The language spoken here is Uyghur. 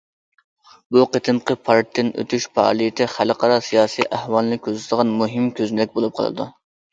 بۇ قېتىمقى پاراتتىن ئۆتۈش پائالىيىتى خەلقئارا سىياسىي ئەھۋالىنى كۆزىتىدىغان مۇھىم كۆزنەك بولۇپ قالىدۇ.